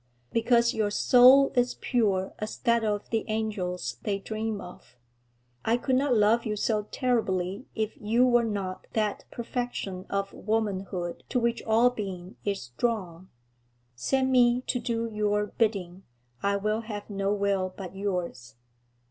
'Because your soul is pure as that of the angels they dream of. I could not love yen so terribly if you were not that perfection of womanhood to which all being is drawn. Send me to do your bidding; I will have no will but yours.'